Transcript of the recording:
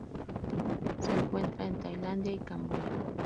Se encuentra en Tailandia y Camboya.